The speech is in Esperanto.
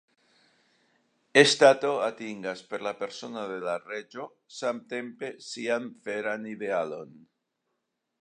Ŝtato atingas per la persono de la reĝo samtempe sian veran idealon.